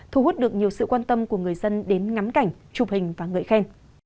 thu hút được nhiều sự quan tâm của người dân đến ngắm cảnh chụp hình và ngợi khen